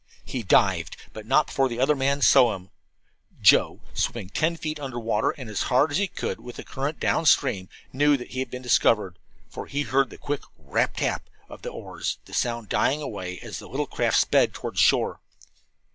He dived; but not before the other man saw him. Joe, swimming ten feet under water, and as hard as he could with the current down stream, knew that he had been discovered, for he heard the quick rap rap of the oars, the sound dying away as the little craft sped toward shore.